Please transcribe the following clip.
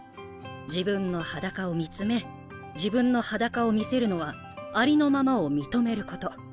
自分の裸を見つめ自分の裸を見せるのはありのままを認めること。